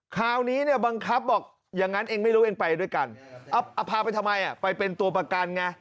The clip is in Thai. คราวนี้เนี่ยบังคับบอกอย่างนั้นเองไม่รู้เองไปด้วยกันพาไปทำไมไปเป็นตัวประกันไง